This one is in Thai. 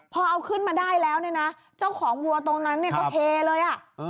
พอเอาขึ้นมาได้แล้วนะเจ้าของวัวตรงนั้นก็เทเลย